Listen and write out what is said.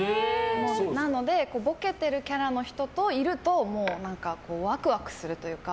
なのでボケてるキャラの人といるとワクワクするというか。